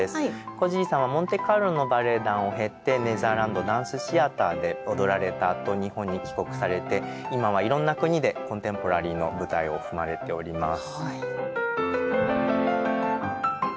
小さんはモンテカルロのバレエ団を経てネザーランド・ダンス・シアターで踊られたあと日本に帰国されて今はいろんな国でコンテンポラリーの舞台を踏まれております。